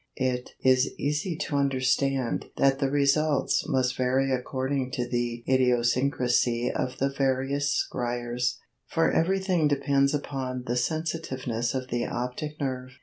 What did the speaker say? It is easy to understand that the results must vary according to the idiosyncrasy of the various scryers; for everything depends upon the sensitiveness of the optic nerve.